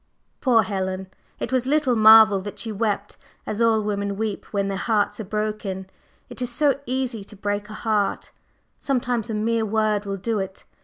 Poor Helen! It was little marvel that she wept as all women weep when their hearts are broken. It is so easy to break a heart; sometimes a mere word will do it.